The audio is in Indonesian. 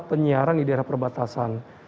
penyiaran di daerah perbatasan